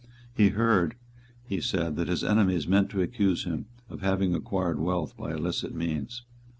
He heard, he said, that his enemies meant to accuse him of having acquired wealth by illicit means.